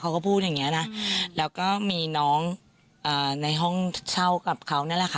เขาก็พูดอย่างเงี้นะแล้วก็มีน้องในห้องเช่ากับเขานั่นแหละค่ะ